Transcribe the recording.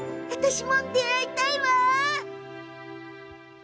私も出会いたいわ。